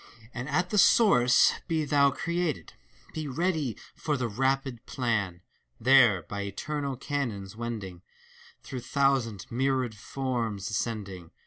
And at the source be thou created ! Be ready for the rapid plan ! There, by eternal canons wending. Through thousand, myriad forms ascending.